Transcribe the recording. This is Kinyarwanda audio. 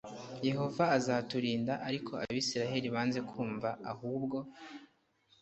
yehova azaturinda ariko abisirayeli banze kumva ahubwo